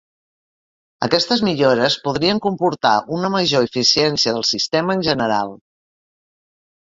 Aquestes millores podrien comportar una major eficiència del sistema en general.